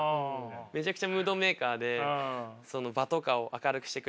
めちゃくちゃムードメーカーで場とかを明るくしてくれるんですけど。